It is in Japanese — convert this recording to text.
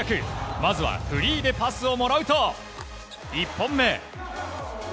まずはフリーでパスをもらうと１本目。